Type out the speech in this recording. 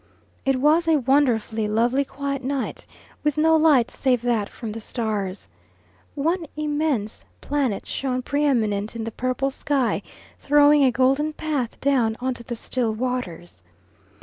It was a wonderfully lovely quiet night with no light save that from the stars. One immense planet shone pre eminent in the purple sky, throwing a golden path down on to the still waters.